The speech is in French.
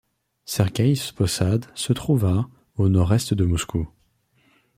Serguiev Possad se trouve à au nord-est de Moscou.